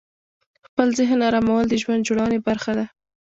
خپل ذهن آرامول د ژوند جوړونې برخه ده.